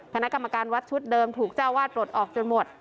คณะกรรมการวัดชุดเดิมถูกเจ้าวาดปลดออกจนหมด